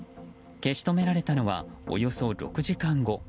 消し止められたのはおよそ６時間後。